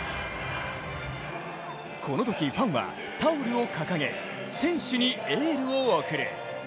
このとき、ファンはタオルを掲げ選手にエールを送る。